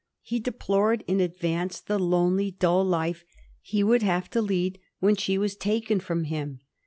He deplored in advance the lone ly, dull life he would have to lead when she was taken from him.